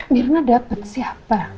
mirna dapet siapa